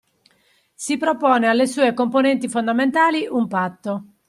Si propone alle sue componenti fondamentali un “patto”